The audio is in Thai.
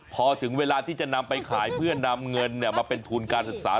พอถึงเวลาที่จะนำไปขายเพื่อนำเงินมาเป็นทุนการศึกษา